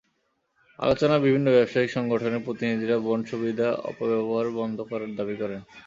আলোচনায় বিভিন্ন ব্যবসায়িক সংগঠনের প্রতিনিধিরা বন্ড সুবিধা অপব্যবহার বন্ধ করার দাবি করেন।